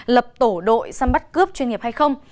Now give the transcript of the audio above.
lập tổ đội săn bắt cướp chuyên nghiệp hay không